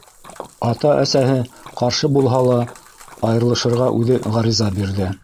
Ата-әсәһе ҡаршы булһа ла айырылышырға үҙе ғариза бирҙе.